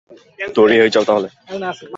তৈরি হয়ে যাও তাহলে।